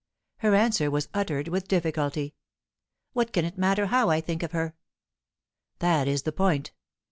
Her answer was uttered with difficulty. "What can it matter how I think of her?" "That is the point.